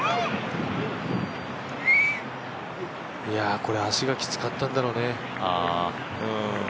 いや、これは足がきつかったんだろうね。